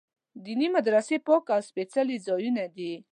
دیني مدرسې پاک او سپېڅلي ځایونه دي.